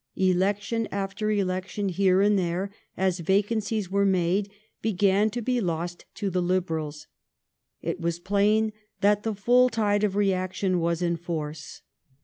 Election after election here and there, as vacancies were made, began to be lost to the Liberals. It was plain that the full tide of reaction was in force.